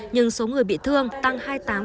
nhưng số người bị thương tăng hai mươi tám